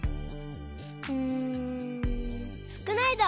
うん「すくない」だ！